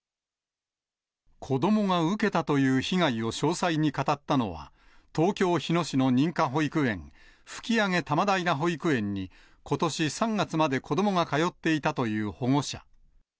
子どもが受けたという被害を詳細に語ったのは、東京・日野市の認可保育園、吹上多摩平保育園に、ことし３月まで子どもが通っていたという保護者。